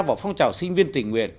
vào phong trào sinh viên tình nguyện